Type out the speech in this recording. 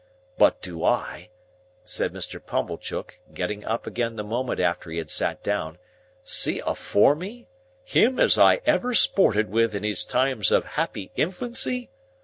But do I," said Mr. Pumblechook, getting up again the moment after he had sat down, "see afore me, him as I ever sported with in his times of happy infancy?